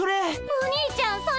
お兄ちゃんそれ！